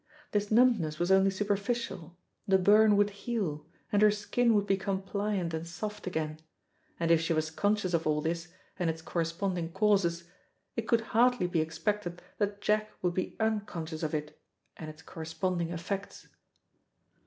This numbness was only superficial, the burn would heal, and her skin would become pliant and soft again; and if she was conscious of all this and its corresponding causes, it could hardly be expected that Jack would be unconscious of it and its corresponding effects.